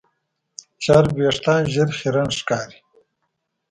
چرب وېښتيان ژر خیرن ښکاري.